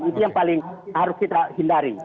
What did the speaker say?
itu yang paling harus kita hindari